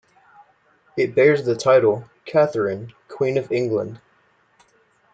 It bears the title "Katharine Queen of England".